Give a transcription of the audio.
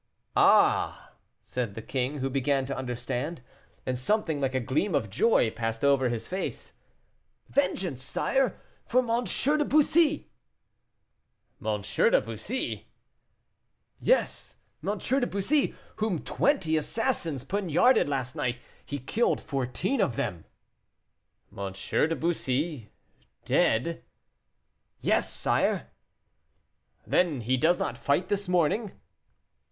"Ah!" said the king, who began to understand; and something like a gleam of joy passed over his face. "Vengeance, sire, for M. de Bussy!" "M. de Bussy?" "Yes, M. de Bussy, whom twenty assassins poniarded last night. He killed fourteen of them." "M. de Bussy dead?" "Yes, sire." "Then he does not fight this morning?"